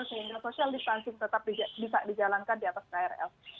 sehingga social distancing tetap bisa dijalankan di atas krl